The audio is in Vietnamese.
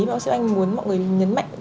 bác sĩ oanh muốn mọi người nhấn mạnh